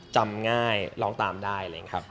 จำง่ายร้องตามได้เลยครับ